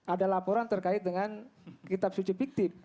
ada laporan terkait dengan kitab suci fiktif